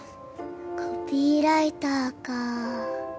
コピーライターか。